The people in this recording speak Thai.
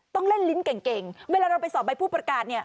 ต้องเล่นลิ้นเก่งเวลาเราไปสอบใบผู้ประกาศเนี่ย